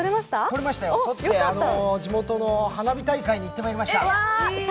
取れましたよ、地元の花火大会に行ってまいりました。